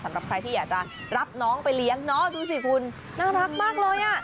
สำหรับใครที่อยากจะรับน้องไปเลี้ยงเนาะดูสิคุณน่ารักมากเลยอ่ะ